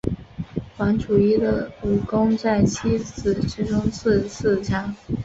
王处一的武功在七子之中数次强。